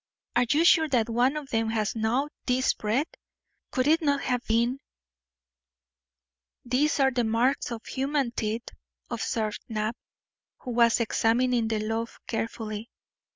Are you sure that one of them has gnawed this bread? Could it not have been " "These are the marks of human teeth," observed Knapp, who was examining the loaf carefully.